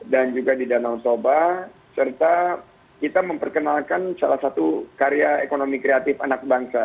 dan juga di danau soba serta kita memperkenalkan salah satu karya ekonomi kreatif anak bangsa